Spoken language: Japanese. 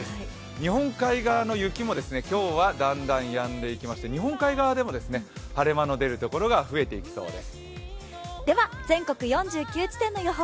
日本海側の雪も今日はだんだんやんでいきまして日本海側でも晴れ間の出るところが増えていきそうです。